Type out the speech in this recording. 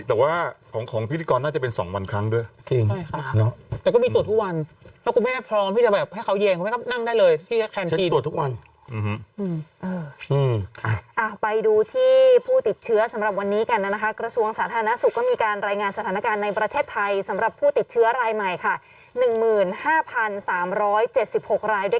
ในบุมของทางไทยรัฐนะครับในบุมของทางไทยรัฐนะครับในบุมของทางไทยรัฐนะครับในบุมของทางไทยรัฐนะครับในบุมของทางไทยรัฐนะครับในบุมของทางไทยรัฐนะครับในบุมของทางไทยรัฐนะครับในบุมของทางไทยรัฐนะครับในบุมของทางไทยรัฐนะครับในบุมของทางไทยรัฐนะครับในบุมของทางไท